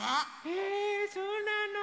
へぇそうなの。